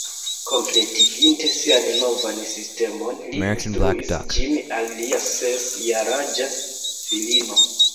Kompletiginte sian novan sistemon, li instruis ĝin al lia ses jaraĝa filino